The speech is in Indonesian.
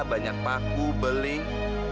banyak paku beling